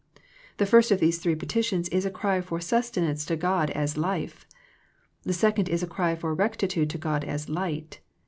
The first of these three petitions is a cry for sustenance to God as " Life." The second is a cry for rectitude to God as " Light."